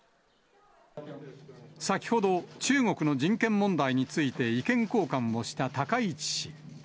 先ほど、中国の人権問題について意見交換をした高市氏。